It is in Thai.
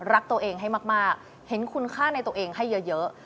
รักตัวเองให้มากเห็นคุณค่าในตัวเองให้เยอะ